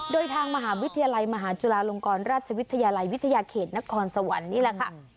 โดยทางมหาวิทยาลัยมหาจุฬาลงกรราชวิทยาลัยวิทยาเขตนครสวรรค์นี่แหละค่ะ